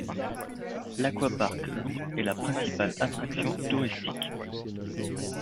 L'aquaparc Loo est la principale attraction touristique.